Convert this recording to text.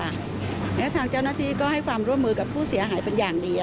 และทางเจ้าหน้าที่ก็ให้ความร่วมมือกับผู้เสียหายเป็นอย่างดี